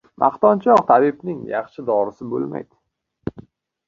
• Maqtanchoq tabibning yaxshi dorisi bo‘lmaydi.